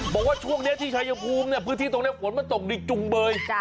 บอกว่าช่วงนี้ที่ชายภูมิพื้นที่ตรงนี้ฝนมันตกดิกจุงเบย